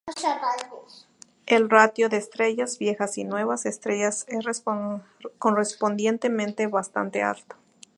El ratio de estrellas viejas a nuevas estrellas es correspondientemente bastante alto.